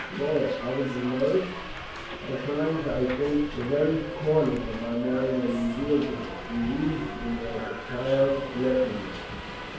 Laura, haven't you noticed? At times I think the very corners of my mind are revealed to him. He reads me like a child's lesson book."